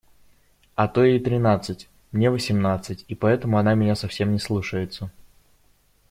А то ей тринадцать, мне – восемнадцать, и поэтому она меня совсем не слушается.